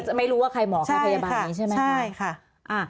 แต่จะไม่รู้ว่าใครหมอค่ะพยาบาลนี้ใช่ไหมค่ะใช่ค่ะใช่ค่ะ